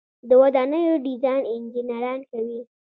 د ودانیو ډیزاین انجنیران کوي